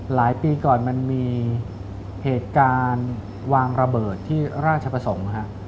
หลายปีก่อนมันมีเหตุการณ์วางระเบิดที่ราชประสงค์